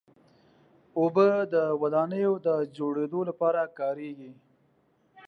اوبه د ودانیو د جوړېدو لپاره کارېږي.